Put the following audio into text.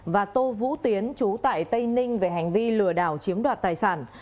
và tô vũ tiến chú tại tây ninh về hành vi lừa đảo chiếm đoạt tài sản